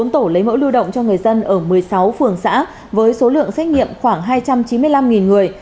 bốn tổ lấy mẫu lưu động cho người dân ở một mươi sáu phường xã với số lượng xét nghiệm khoảng hai trăm chín mươi năm người